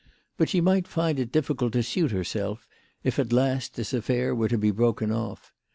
But sbe migbt find it difficult to suit herself, if at last this affair were to be broken off.